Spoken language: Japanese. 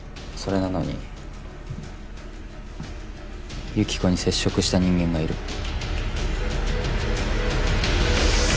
それなのに幸子に接触した人間がいる。